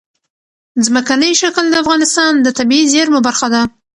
ځمکنی شکل د افغانستان د طبیعي زیرمو برخه ده.